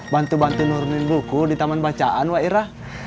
bantu bantu nurunin buku di taman bacaan mbak ira